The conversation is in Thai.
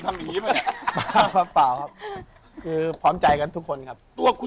คือพร้อมใจกันทุกคนครับ